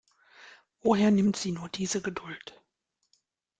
Woher nimmt sie nur diese Geduld?